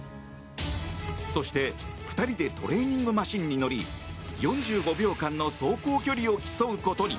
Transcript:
そして、２人でトレーニングマシンに乗り４５秒間の走行距離を競うことに。